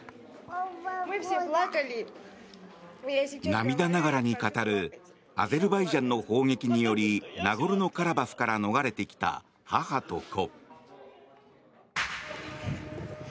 涙ながらに語るアゼルバイジャンの砲撃によりナゴルノカラバフから逃れてきた母と子。